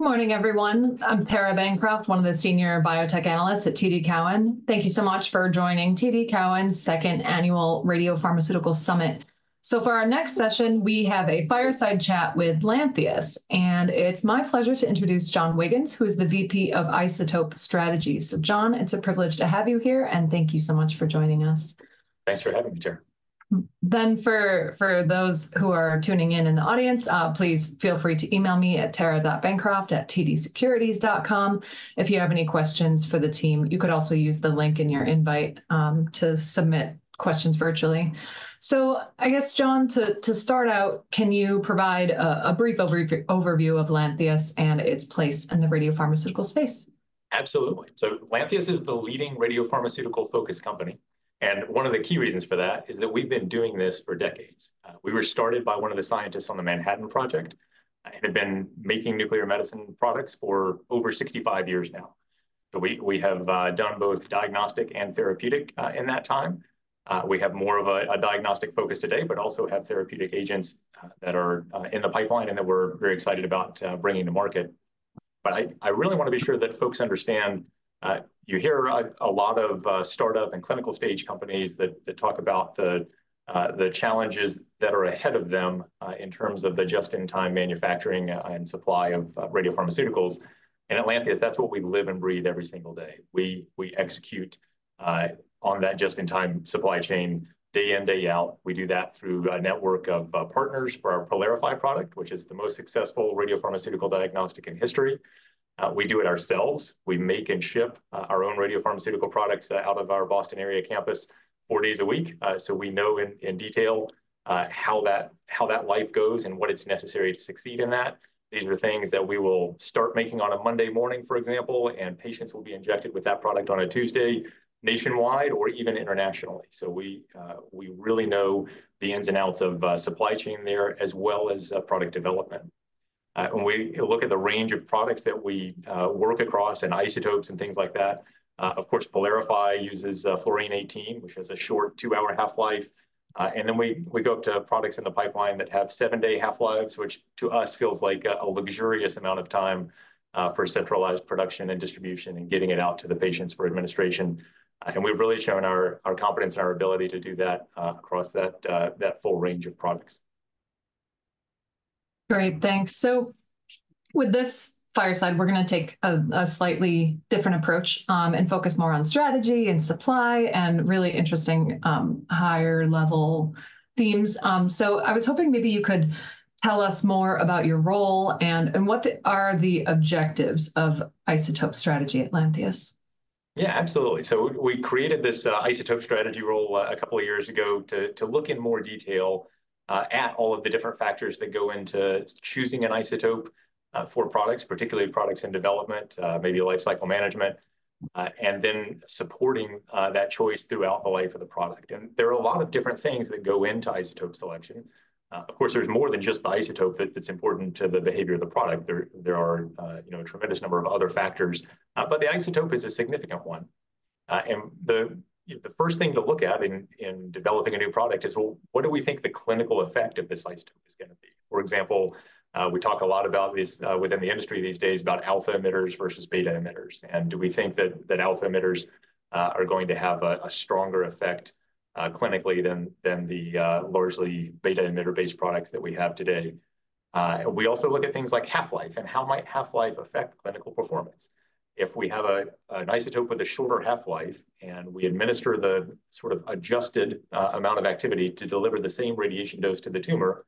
Good morning, everyone. I'm Tara Bancroft, one of the Senior Biotech Analysts at TD Cowen. Thank you so much for joining TD Cowen's Second Annual Radiopharmaceutical Summit. So for our next session, we have a fireside chat with Lantheus, and it's my pleasure to introduce John Wiggins, who is the VP of Isotope Strategy. So John, it's a privilege to have you here, and thank you so much for joining us. Thanks for having me, Tara. Then for those who are tuning in in the audience, please feel free to email me at tara.bancroft@tdsecurities.com if you have any questions for the team. You could also use the link in your invite, to submit questions virtually. So I guess, John, to start out, can you provide a brief overview of Lantheus and its place in the radiopharmaceutical space? Absolutely. So Lantheus is the leading radiopharmaceutical-focused company, and one of the key reasons for that is that we've been doing this for decades. We were started by one of the scientists on the Manhattan Project and have been making nuclear medicine products for over 65 years now. So we have done both diagnostic and therapeutic in that time. We have more of a diagnostic focus today, but also have therapeutic agents that are in the pipeline and that we're very excited about bringing to market. But I really wanna be sure that folks understand... You hear a lot of start-up and clinical stage companies that talk about the challenges that are ahead of them in terms of the just-in-time manufacturing and supply of radiopharmaceuticals. In Lantheus, that's what we live and breathe every single day. We execute on that just-in-time supply chain day in, day out. We do that through a network of partners for our PYLARIFY product, which is the most successful radiopharmaceutical diagnostic in history. We do it ourselves. We make and ship our own radiopharmaceutical products out of our Boston-area campus four days a week. So we know in detail how that life goes and what it's necessary to succeed in that. These are things that we will start making on a Monday morning, for example, and patients will be injected with that product on a Tuesday, nationwide or even internationally. So we really know the ins and outs of supply chain there, as well as product development. When we look at the range of products that we work across, and isotopes, and things like that, of course, PYLARIFY uses fluorine-18, which has a short two-hour half-life. And then we go up to products in the pipeline that have seven-day half-lives, which to us feels like a luxurious amount of time for centralized production and distribution, and getting it out to the patients for administration. And we've really shown our competence and our ability to do that across that full range of products. Great, thanks. So with this fireside, we're gonna take a slightly different approach, and focus more on strategy, and supply, and really interesting, higher-level themes. So I was hoping maybe you could tell us more about your role, and, and what are the objectives of Isotope Strategy at Lantheus? Yeah, absolutely. So we created this isotope strategy role a couple of years ago to look in more detail at all of the different factors that go into choosing an isotope for products, particularly products in development, maybe a life cycle management, and then supporting that choice throughout the life of the product. And there are a lot of different things that go into isotope selection. Of course, there's more than just the isotope that's important to the behavior of the product. There are, you know, a tremendous number of other factors. But the isotope is a significant one. And the first thing to look at in developing a new product is, well, what do we think the clinical effect of this isotope is gonna be? For example, we talk a lot about this within the industry these days, about alpha emitters versus beta emitters, and do we think that alpha emitters are going to have a stronger effect clinically than the largely beta emitter-based products that we have today? We also look at things like half-life, and how might half-life affect clinical performance? If we have an isotope with a shorter half-life, and we administer the sort of adjusted amount of activity to deliver the same radiation dose to the tumor,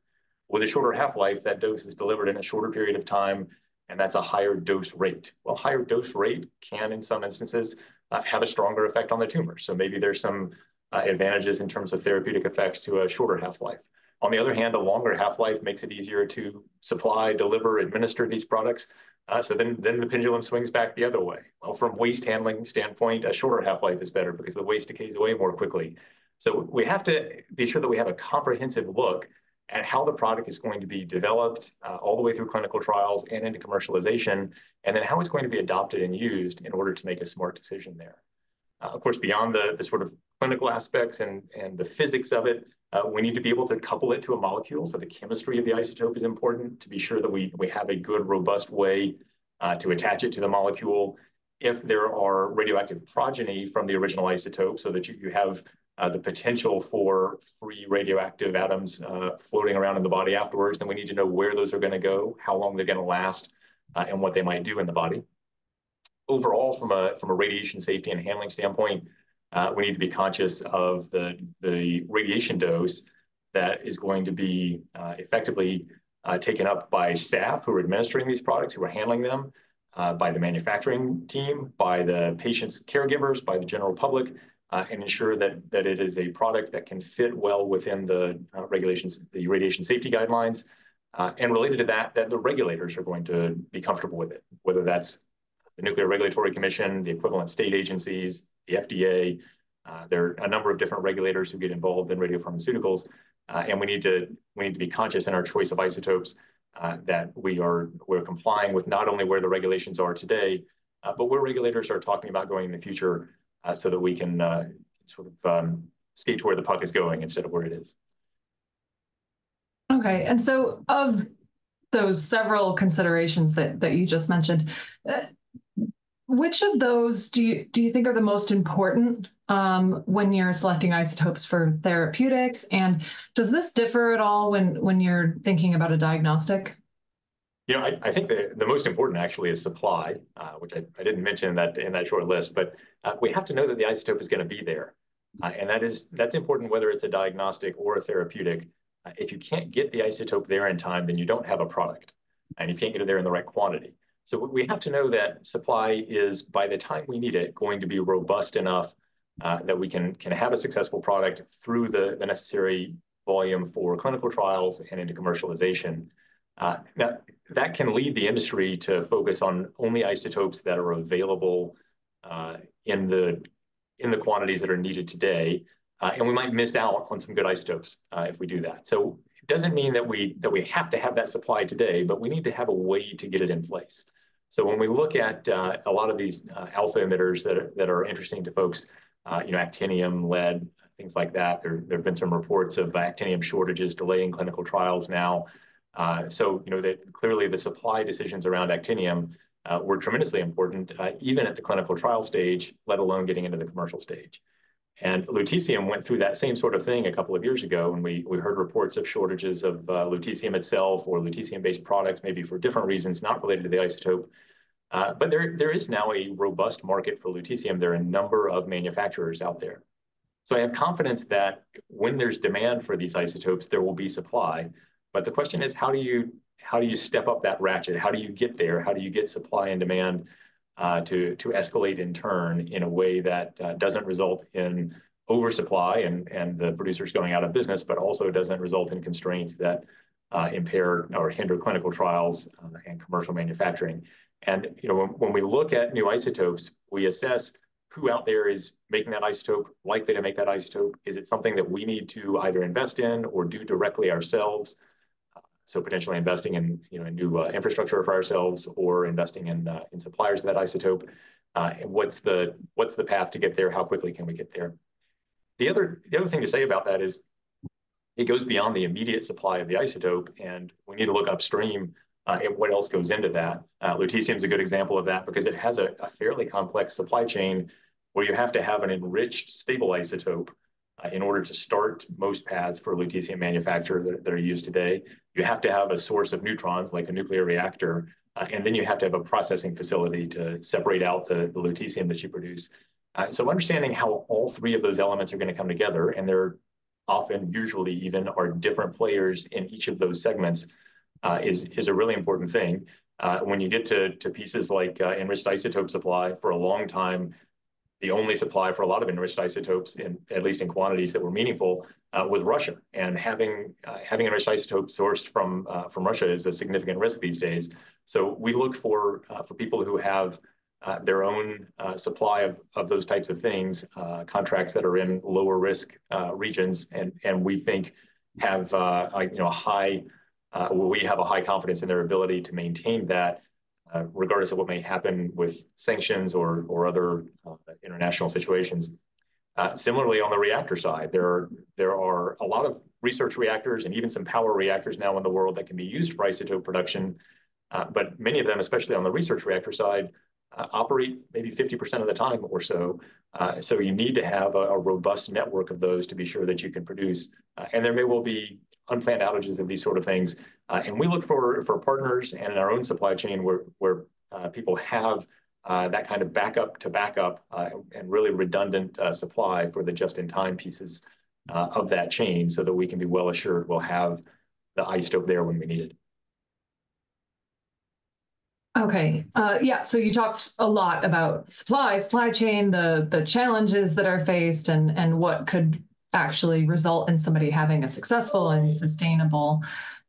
with a shorter half-life, that dose is delivered in a shorter period of time, and that's a higher dose rate. Well, higher dose rate can, in some instances, have a stronger effect on the tumor, so maybe there's some advantages in terms of therapeutic effects to a shorter half-life. On the other hand, a longer half-life makes it easier to supply, deliver, administer these products. So then the pendulum swings back the other way. Well, from waste handling standpoint, a shorter half-life is better because the waste decays away more quickly. So we have to be sure that we have a comprehensive look at how the product is going to be developed, all the way through clinical trials and into commercialization, and then how it's going to be adopted and used in order to make a smart decision there. Of course, beyond the sort of clinical aspects and the physics of it, we need to be able to couple it to a molecule. So the chemistry of the isotope is important to be sure that we have a good, robust way to attach it to the molecule. If there are radioactive progeny from the original isotope, so that you have the potential for free radioactive atoms floating around in the body afterwards, then we need to know where those are gonna go, how long they're gonna last, and what they might do in the body. Overall, from a radiation safety and handling standpoint, we need to be conscious of the radiation dose that is going to be effectively taken up by staff who are administering these products, who are handling them, by the manufacturing team, by the patients' caregivers, by the general public, and ensure that it is a product that can fit well within the regulations, the radiation safety guidelines. And related to that, that the regulators are going to be comfortable with it, whether that's the Nuclear Regulatory Commission, the equivalent state agencies, the FDA. There are a number of different regulators who get involved in radiopharmaceuticals, and we need to, we need to be conscious in our choice of isotopes, that we are, we're complying with not only where the regulations are today, but where regulators are talking about going in the future, so that we can, sort of, skate to where the puck is going instead of where it is.... Okay, and so of those several considerations that you just mentioned, which of those do you think are the most important when you're selecting isotopes for therapeutics? And does this differ at all when you're thinking about a diagnostic? You know, I think the most important actually is supply, which I didn't mention that in that short list, but, we have to know that the isotope is gonna be there. And that's important whether it's a diagnostic or a therapeutic. If you can't get the isotope there in time, then you don't have a product, and you can't get it there in the right quantity. So we have to know that supply is, by the time we need it, going to be robust enough, that we can have a successful product through the necessary volume for clinical trials and into commercialization. Now, that can lead the industry to focus on only isotopes that are available, in the quantities that are needed today, and we might miss out on some good isotopes, if we do that. So it doesn't mean that we have to have that supply today, but we need to have a way to get it in place. So when we look at a lot of these alpha emitters that are interesting to folks, you know, actinium, lead, things like that, there have been some reports of actinium shortages delaying clinical trials now. So you know that clearly the supply decisions around actinium were tremendously important, even at the clinical trial stage, let alone getting into the commercial stage. Lutetium went through that same sort of thing a couple of years ago when we, we heard reports of shortages of, lutetium itself or lutetium-based products, maybe for different reasons, not related to the isotope. But there, there is now a robust market for lutetium. There are a number of manufacturers out there. So I have confidence that when there's demand for these isotopes, there will be supply. But the question is: how do you, how do you step up that ratchet? How do you get there? How do you get supply and demand, to, to escalate in turn in a way that, doesn't result in oversupply and, and the producers going out of business, but also doesn't result in constraints that, impair or hinder clinical trials, and commercial manufacturing? You know, when we look at new isotopes, we assess who out there is making that isotope, likely to make that isotope. Is it something that we need to either invest in or do directly ourselves? So potentially investing in, you know, a new infrastructure for ourselves or investing in suppliers of that isotope. What's the path to get there? How quickly can we get there? The other thing to say about that is it goes beyond the immediate supply of the isotope, and we need to look upstream at what else goes into that. Lutetium is a good example of that because it has a fairly complex supply chain, where you have to have an enriched, stable isotope in order to start most paths for lutetium manufacture that are used today. You have to have a source of neutrons, like a nuclear reactor, and then you have to have a processing facility to separate out the lutetium that you produce. So understanding how all three of those elements are gonna come together, and there often, usually even, are different players in each of those segments, is a really important thing. When you get to pieces like enriched isotope supply, for a long time, the only supply for a lot of enriched isotopes, at least in quantities that were meaningful, was Russia. And having an enriched isotope sourced from Russia is a significant risk these days. So we look for people who have their own supply of those types of things, contracts that are in lower risk regions, and we think have, you know, a high confidence in their ability to maintain that, regardless of what may happen with sanctions or other international situations. Similarly, on the reactor side, there are a lot of research reactors and even some power reactors now in the world that can be used for isotope production, but many of them, especially on the research reactor side, operate maybe 50% of the time or so. So you need to have a robust network of those to be sure that you can produce, and there may well be unplanned outages of these sort of things. We look for partners and in our own supply chain, where people have that kind of backup-to-backup and really redundant supply for the just-in-time pieces of that chain so that we can be well assured we'll have the isotope there when we need it. Okay, yeah, so you talked a lot about supply, supply chain, the challenges that are faced and what could actually result in somebody having a successful and sustainable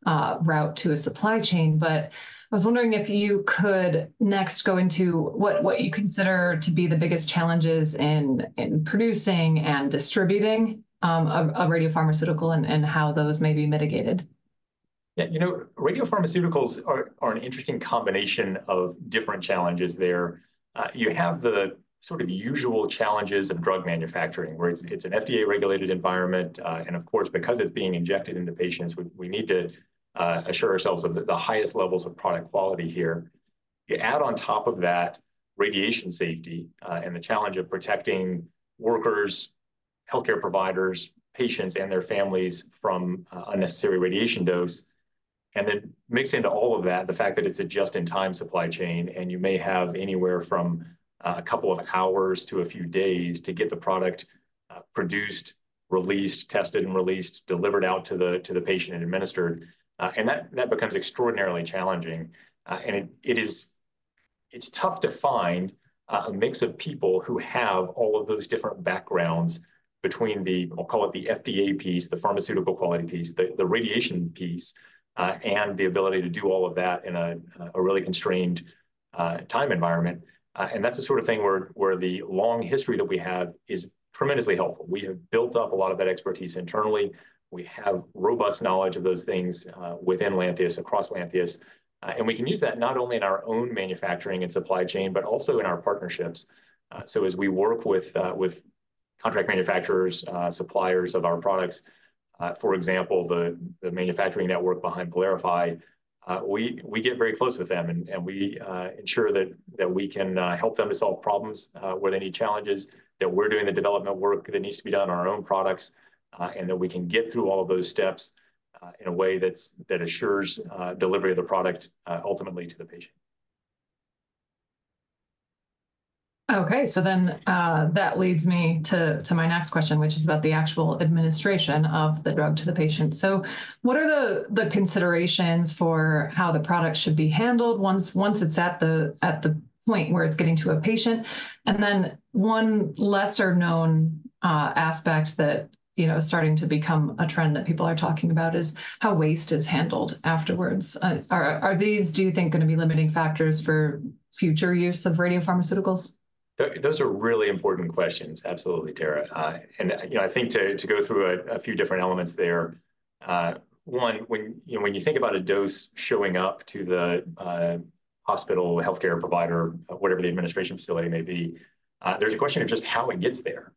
route to a supply chain. But I was wondering if you could next go into what you consider to be the biggest challenges in producing and distributing a radiopharmaceutical and how those may be mitigated. Yeah, you know, radiopharmaceuticals are an interesting combination of different challenges there. You have the sort of usual challenges of drug manufacturing, where it's an FDA-regulated environment, and of course, because it's being injected into patients, we need to assure ourselves of the highest levels of product quality here. You add on top of that radiation safety, and the challenge of protecting workers, healthcare providers, patients, and their families from unnecessary radiation dose. And then mix into all of that, the fact that it's a just-in-time supply chain, and you may have anywhere from a couple of hours to a few days to get the product produced, released, tested and released, delivered out to the patient, and administered. And that becomes extraordinarily challenging. And it is... It's tough to find a mix of people who have all of those different backgrounds between the, we'll call it the FDA piece, the pharmaceutical quality piece, the radiation piece, and the ability to do all of that in a really constrained time environment. And that's the sort of thing where the long history that we have is tremendously helpful. We have built up a lot of that expertise internally. We have robust knowledge of those things within Lantheus, across Lantheus, and we can use that not only in our own manufacturing and supply chain, but also in our partnerships. So as we work with with-... contract manufacturers, suppliers of our products, for example, the manufacturing network behind PYLARIFY, we get very close with them, and we ensure that we can help them to solve problems where they need challenges, that we're doing the development work that needs to be done on our own products, and that we can get through all of those steps in a way that assures delivery of the product ultimately to the patient. Okay, so then, that leads me to my next question, which is about the actual administration of the drug to the patient. So what are the considerations for how the product should be handled once it's at the point where it's getting to a patient? And then one lesser-known aspect that, you know, is starting to become a trend that people are talking about is how waste is handled afterwards. Are these, do you think, gonna be limiting factors for future use of radiopharmaceuticals? Those are really important questions. Absolutely, Tara. And, you know, I think to go through a few different elements there, one, when you know, when you think about a dose showing up to the hospital, healthcare provider, whatever the administration facility may be, there's a question of just how it gets there.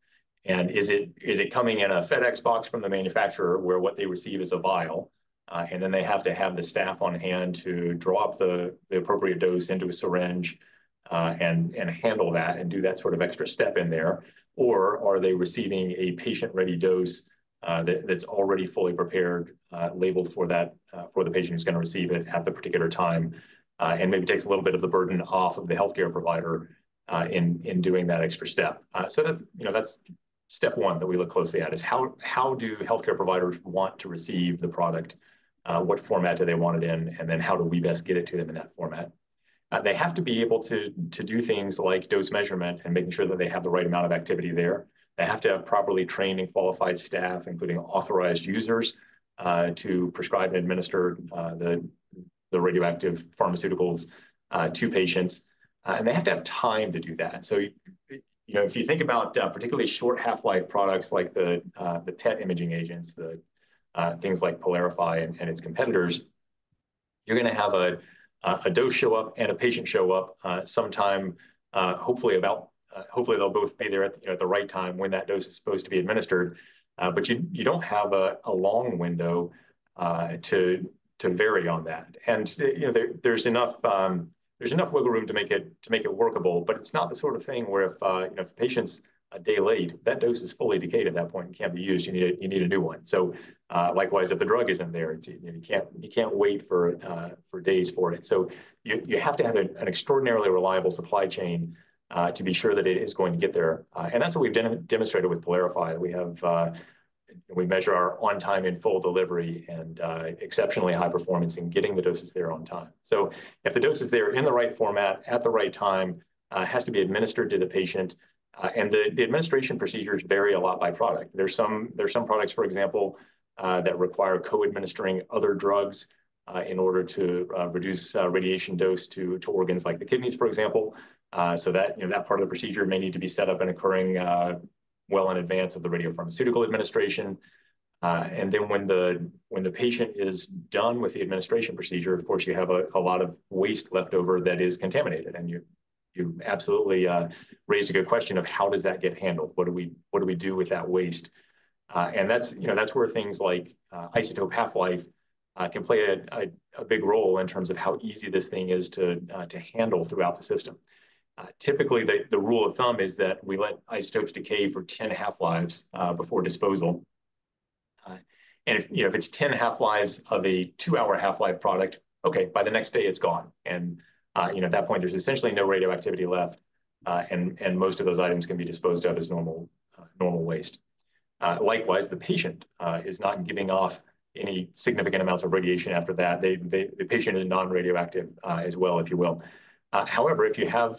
And is it coming in a FedEx box from the manufacturer, where what they receive is a vial, and then they have to have the staff on hand to draw up the appropriate dose into a syringe, and handle that, and do that sort of extra step in there? Or are they receiving a patient-ready dose, that that's already fully prepared, labeled for that, for the patient who's gonna receive it at the particular time, and maybe takes a little bit of the burden off of the healthcare provider, in doing that extra step? So that's, you know, that's step one that we look closely at, is how do healthcare providers want to receive the product? What format do they want it in, and then how do we best get it to them in that format? They have to be able to do things like dose measurement and making sure that they have the right amount of activity there. They have to have properly trained and qualified staff, including authorized users, to prescribe and administer the radioactive pharmaceuticals to patients, and they have to have time to do that. So, you know, if you think about particularly short half-life products, like the PET imaging agents, things like PYLARIFY and its competitors, you're gonna have a dose show up and a patient show up sometime, hopefully about... Hopefully they'll both be there at, you know, at the right time when that dose is supposed to be administered. But you don't have a long window to vary on that. You know, there's enough wiggle room to make it workable, but it's not the sort of thing where if the patient's a day late, that dose is fully decayed at that point and can't be used. You need a new one. So, likewise, if the drug isn't there, you can't wait for days for it. So you have to have an extraordinarily reliable supply chain to be sure that it is going to get there. And that's what we've demonstrated with PYLARIFY. We measure our on-time and full delivery and exceptionally high performance in getting the doses there on time. So if the dose is there in the right format at the right time, it has to be administered to the patient, and the administration procedures vary a lot by product. There's some products, for example, that require co-administering other drugs in order to reduce radiation dose to organs like the kidneys, for example. So that, you know, that part of the procedure may need to be set up and occurring well in advance of the radiopharmaceutical administration. And then when the patient is done with the administration procedure, of course, you have a lot of waste left over that is contaminated, and you absolutely raised a good question of: How does that get handled? What do we do with that waste? And that's, you know, that's where things like isotope half-life can play a big role in terms of how easy this thing is to handle throughout the system. Typically, the rule of thumb is that we let isotopes decay for 10 half-lives before disposal. And if, you know, if it's 10 half-lives of a two-hour half-life product, okay, by the next day, it's gone. And, you know, at that point, there's essentially no radioactivity left, and most of those items can be disposed of as normal waste. Likewise, the patient is not giving off any significant amounts of radiation after that. The patient is non-radioactive, as well, if you will. However, if you have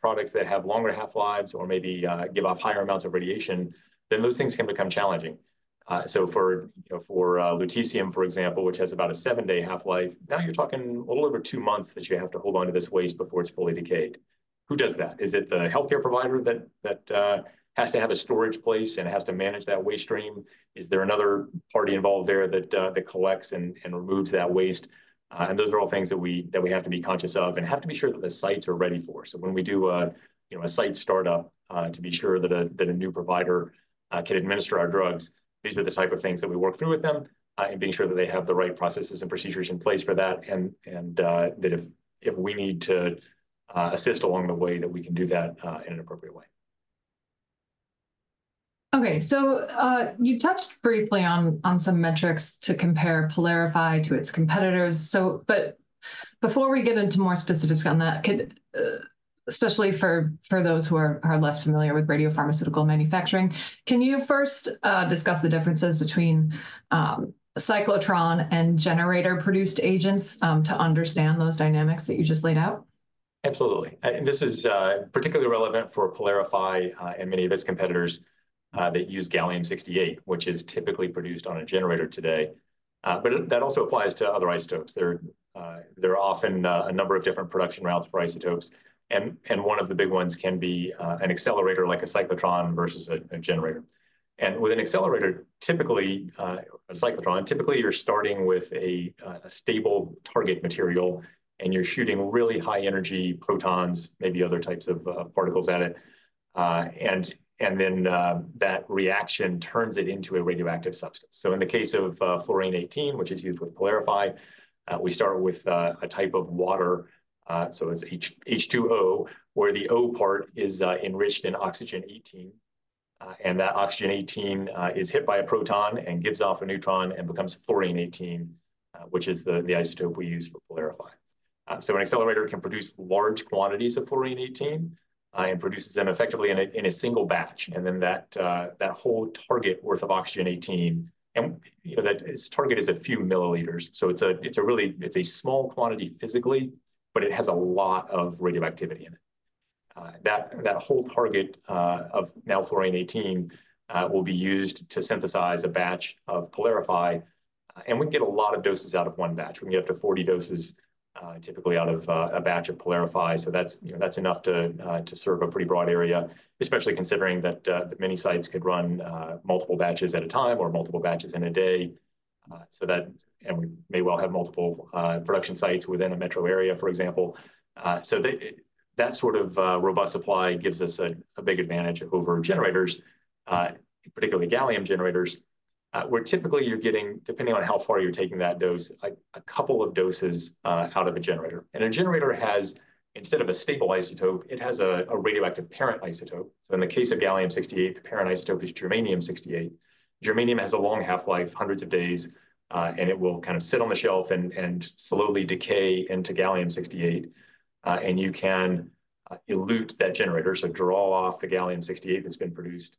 products that have longer half-lives or maybe give off higher amounts of radiation, then those things can become challenging. So for, you know, lutetium, for example, which has about a seven-day half-life, now you're talking a little over two months that you have to hold on to this waste before it's fully decayed. Who does that? Is it the healthcare provider that has to have a storage place and has to manage that waste stream? Is there another party involved there that collects and removes that waste? And those are all things that we have to be conscious of and have to be sure that the sites are ready for. So when we do a, you know, a site start-up, to be sure that a new provider can administer our drugs, these are the type of things that we work through with them, in being sure that they have the right processes and procedures in place for that, and, that if we need to assist along the way, that we can do that, in an appropriate way. Okay, so, you touched briefly on some metrics to compare PYLARIFY to its competitors. So, but before we get into more specifics on that, could, especially for those who are less familiar with radiopharmaceutical manufacturing, can you first, discuss the differences between cyclotron and generator-produced agents, to understand those dynamics that you just laid out? Absolutely. And this is particularly relevant for PYLARIFY and many of its competitors that use gallium-68, which is typically produced on a generator today. But that also applies to other isotopes. There are often a number of different production routes for isotopes, and one of the big ones can be an accelerator, like a cyclotron, versus a generator. And with an accelerator, typically a cyclotron, typically, you're starting with a stable target material, and you're shooting really high-energy protons, maybe other types of particles at it. And then that reaction turns it into a radioactive substance. So in the case of fluorine-18, which is used with PYLARIFY, we start with a type of water. So it's H2O, where the O part is enriched in oxygen-18, and that oxygen-18 is hit by a proton and gives off a neutron and becomes fluorine-18, which is the isotope we use for PYLARIFY. So an accelerator can produce large quantities of fluorine-18, and produces them effectively in a single batch, and then that whole target worth of oxygen-18, and, you know, that target is a few milliliters. So it's a really small quantity physically, but it has a lot of radioactivity in it. That whole target of now fluorine-18 will be used to synthesize a batch of PYLARIFY, and we can get a lot of doses out of one batch. We can get up to 40 doses, typically out of a batch of PYLARIFY, so that's, you know, that's enough to serve a pretty broad area, especially considering that many sites could run multiple batches at a time or multiple batches in a day. So that, and we may well have multiple production sites within a metro area, for example. So that sort of robust supply gives us a big advantage over generators, particularly gallium generators, where typically you're getting, depending on how far you're taking that dose, like, a couple of doses out of a generator. And a generator has, instead of a stable isotope, it has a radioactive parent isotope. So in the case of gallium-68, the parent isotope is germanium-68. Germanium has a long half-life, hundreds of days, and it will kind of sit on the shelf and slowly decay into gallium-68. You can elute that generator, so draw off the gallium-68 that's been produced,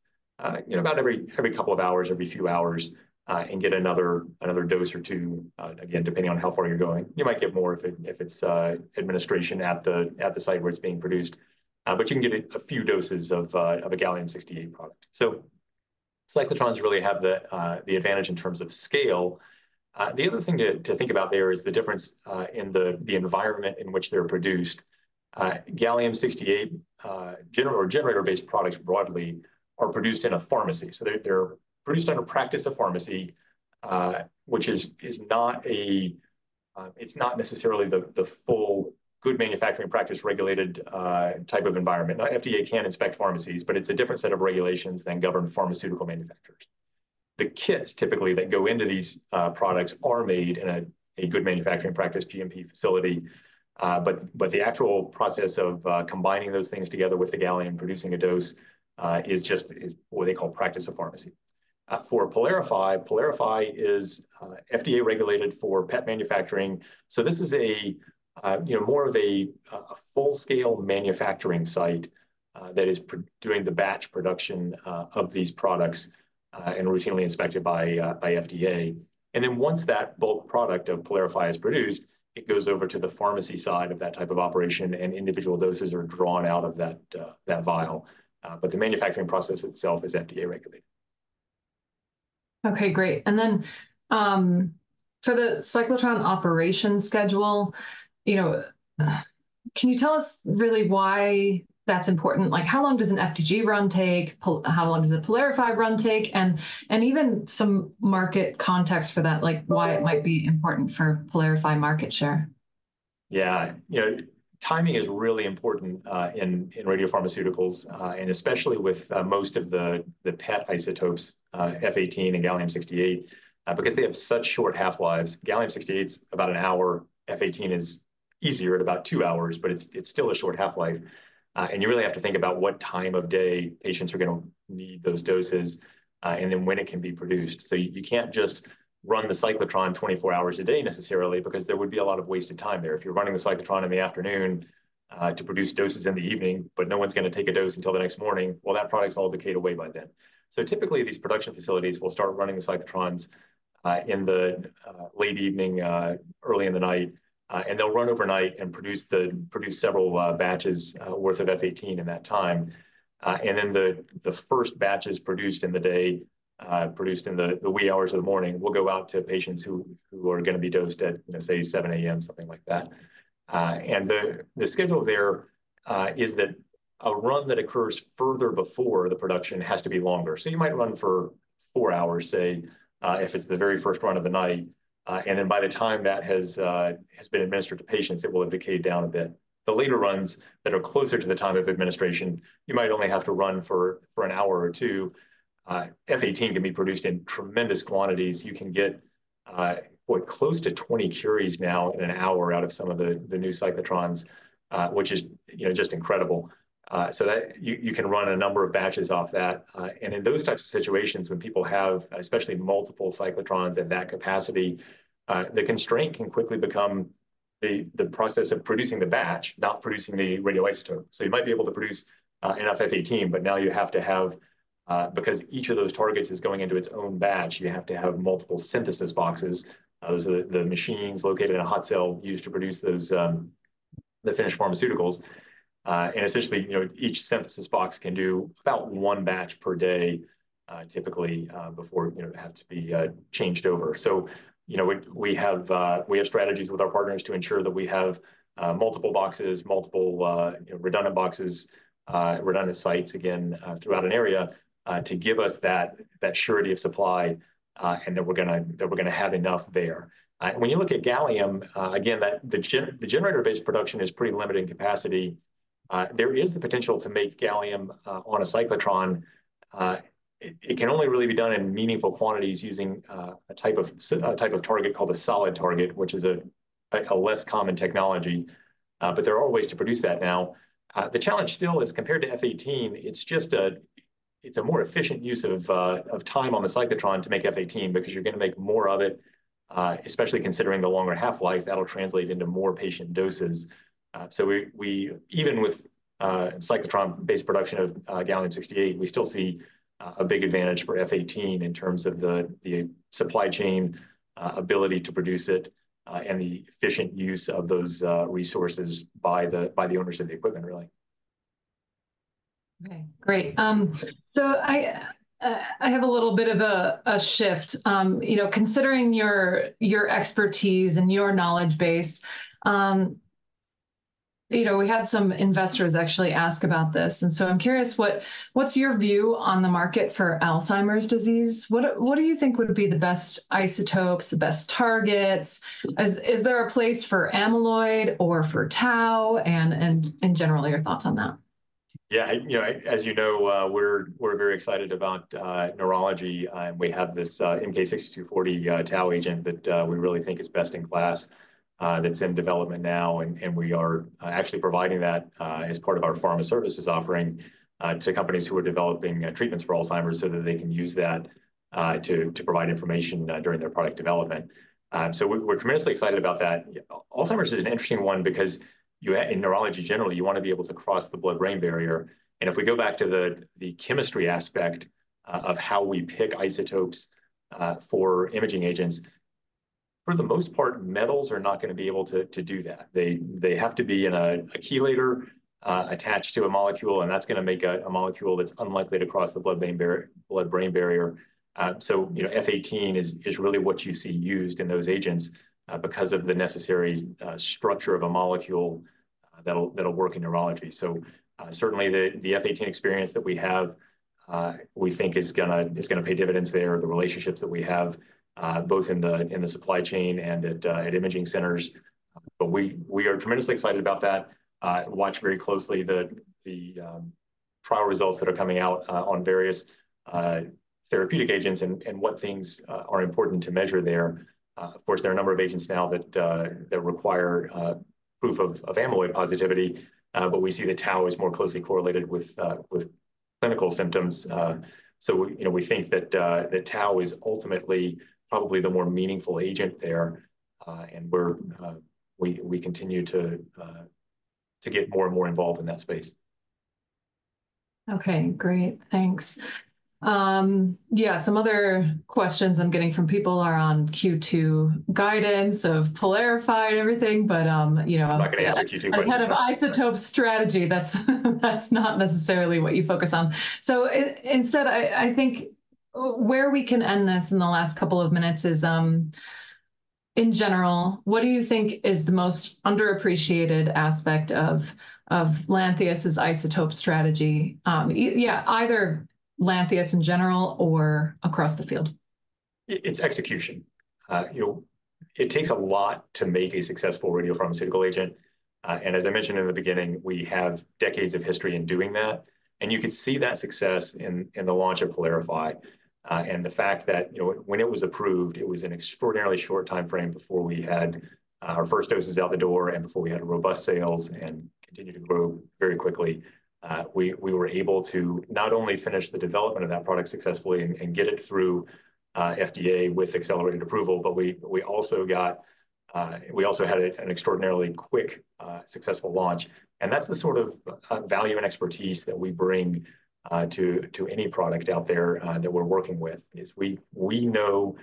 you know, about every couple of hours, every few hours, and get another dose or two, again, depending on how far you're going. You might get more if it's administration at the site where it's being produced. You can get a few doses of a gallium-68 product. Cyclotrons really have the advantage in terms of scale. The other thing to think about there is the difference in the environment in which they're produced. Gallium-68 generator-based products broadly are produced in a pharmacy. So they're produced under practice of pharmacy, which is not necessarily the full Good Manufacturing Practice regulated type of environment. Now, FDA can inspect pharmacies, but it's a different set of regulations than govern pharmaceutical manufacturers. The kits, typically, that go into these products are made in a Good Manufacturing Practice, GMP facility. But the actual process of combining those things together with the gallium, producing a dose, is what they call practice of pharmacy. For PYLARIFY, PYLARIFY is FDA-regulated for PET manufacturing. So this is a, you know, more of a full-scale manufacturing site that is doing the batch production of these products and routinely inspected by FDA. And then once that bulk product of PYLARIFY is produced, it goes over to the pharmacy side of that type of operation, and individual doses are drawn out of that, that vial. But the manufacturing process itself is FDA-regulated. Okay, great. And then, for the cyclotron operation schedule, you know, can you tell us really why that's important? Like, how long does an FDG run take? PYLARIFY—how long does a PYLARIFY run take? And even some market context for that, like, why it might be important for PYLARIFY market share. Yeah. You know, timing is really important in radiopharmaceuticals, and especially with most of the PET isotopes, F-18 and gallium-68, because they have such short half-lives. Gallium-68's about an hour, F-18 is easier at about two hours, but it's still a short half-life. And you really have to think about what time of day patients are gonna need those doses, and then when it can be produced. So you can't just run the cyclotron 24 hours a day necessarily, because there would be a lot of wasted time there. If you're running the cyclotron in the afternoon, to produce doses in the evening, but no one's gonna take a dose until the next morning, well, that product's all decayed away by then. So typically, these production facilities will start running the cyclotrons in the late evening, early in the night, and they'll run overnight and produce several batches worth of F-18 in that time. And then the first batch is produced in the wee hours of the morning, will go out to patients who are gonna be dosed at, you know, say, 7 A.M., something like that. And the schedule there is that a run that occurs further before the production has to be longer. So you might run for four hours, say, if it's the very first run of the night, and then by the time that has been administered to patients, it will have decayed down a bit. The later runs that are closer to the time of administration, you might only have to run for an hour or two. F-18 can be produced in tremendous quantities. You can get close to 20 curies now in an hour out of some of the new cyclotrons, which is, you know, just incredible. So that you can run a number of batches off that. And in those types of situations, when people have, especially multiple cyclotrons in that capacity, the constraint can quickly become the process of producing the batch, not producing the radioisotope. So you might be able to produce enough F-18, but now you have to have, because each of those targets is going into its own batch, you have to have multiple synthesis boxes. Those are the machines located in a hot cell used to produce those, the finished pharmaceuticals. And essentially, you know, each synthesis box can do about one batch per day, typically, before, you know, it'd have to be changed over. So, you know, we have strategies with our partners to ensure that we have multiple boxes, you know, redundant boxes, redundant sites, again, throughout an area, to give us that surety of supply, and that we're gonna have enough there. When you look at gallium, again, the generator-based production is pretty limited in capacity. There is the potential to make gallium on a cyclotron. It can only really be done in meaningful quantities using a type of target called a solid target, which is a less common technology, but there are ways to produce that now. The challenge still is, compared to F-18, it's a more efficient use of time on the cyclotron to make F-18, because you're gonna make more of it. Especially considering the longer half-life, that'll translate into more patient doses. So we even with cyclotron-based production of gallium-68, we still see a big advantage for F-18 in terms of the supply chain ability to produce it and the efficient use of those resources by the owners of the equipment, really. Okay, great. So I have a little bit of a shift. You know, considering your expertise and your knowledge base, you know, we had some investors actually ask about this, and so I'm curious, what's your view on the market for Alzheimer's disease? What do you think would be the best isotopes, the best targets? Is there a place for amyloid or for tau, and in general, your thoughts on that? Yeah, you know, as you know, we're very excited about neurology. We have this MK-6240 tau agent that we really think is best in class that's in development now, and we are actually providing that as part of our pharma services offering to companies who are developing treatments for Alzheimer's so that they can use that to provide information during their product development. So we're tremendously excited about that. Alzheimer's is an interesting one because you in neurology generally, you wanna be able to cross the blood-brain barrier, and if we go back to the chemistry aspect of how we pick isotopes for imaging agents, for the most part, metals are not gonna be able to do that. They have to be in a chelator, attached to a molecule, and that's gonna make a molecule that's unlikely to cross the blood-brain barrier. So, you know, F-18 is really what you see used in those agents, because of the necessary structure of a molecule, that'll work in neurology. So, certainly the F-18 experience that we have, we think is gonna pay dividends there. The relationships that we have, both in the supply chain and at imaging centers, but we are tremendously excited about that. Watch very closely the trial results that are coming out, on various therapeutic agents and what things are important to measure there. Of course, there are a number of agents now that require proof of amyloid positivity, but we see the tau is more closely correlated with clinical symptoms. So, you know, we think that tau is ultimately probably the more meaningful agent there, and we continue to get more and more involved in that space. Okay, great. Thanks. Yeah, some other questions I'm getting from people are on Q2 guidance of PYLARIFY and everything, but, you know- I'm not gonna answer Q2 questions. Ahead of isotope strategy, that's, that's not necessarily what you focus on. So instead, I think where we can end this in the last couple of minutes is, in general, what do you think is the most underappreciated aspect of, of Lantheus' isotope strategy? Yeah, either Lantheus in general or across the field. It's execution. You know, it takes a lot to make a successful radiopharmaceutical agent, and as I mentioned in the beginning, we have decades of history in doing that, and you could see that success in the launch of PYLARIFY. And the fact that, you know, when it was approved, it was an extraordinarily short timeframe before we had our first doses out the door and before we had robust sales and continued to grow very quickly. We were able to not only finish the development of that product successfully and get it through FDA with accelerated approval, but we also had an extraordinarily quick, successful launch, and that's the sort of value and expertise that we bring to any product out there that we're working with, is we know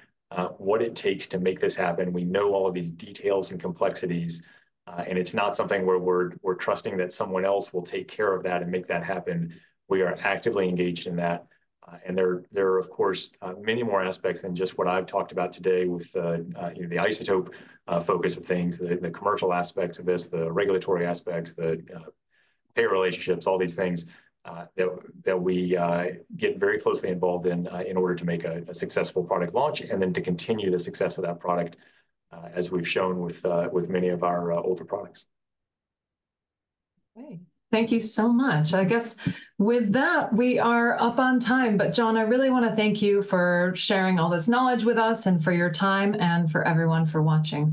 what it takes to make this happen. We know all of these details and complexities, and it's not something where we're trusting that someone else will take care of that and make that happen. We are actively engaged in that. And there are, of course, many more aspects than just what I've talked about today with, you know, the isotope focus of things, the commercial aspects of this, the regulatory aspects, the payer relationships, all these things that we get very closely involved in, in order to make a successful product launch, and then to continue the success of that product, as we've shown with many of our older products. Great. Thank you so much. I guess with that, we are up on time. But, John, I really wanna thank you for sharing all this knowledge with us and for your time and for everyone for watching.